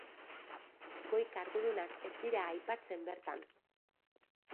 Goi-kargudunak ez dira aipatzen bertan.